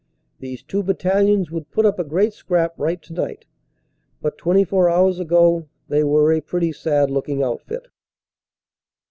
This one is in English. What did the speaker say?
These two battalions would put up a great scrap right tonight. But 24 hours ago they were a pretty sad looking outfit."